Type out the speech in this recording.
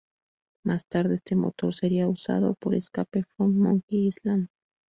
Más tarde este motor sería usado por "Escape From Monkey Island".